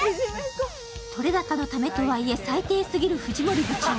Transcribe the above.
撮れ高のためとはいえ、最低すぎる藤本部長。